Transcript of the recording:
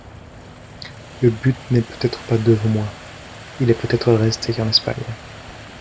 Le but n'est peut-être pas devant moi ; il est peut-être resté en Espagne.